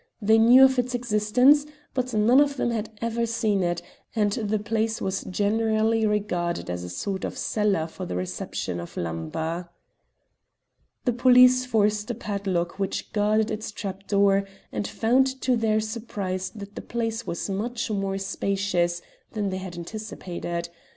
They knew of its existence, but none of them had ever seen it, and the place was generally regarded as a sort of cellar for the reception of lumber. The police forced a padlock which guarded its trap door, and found to their surprise that the place was much more spacious than they anticipated.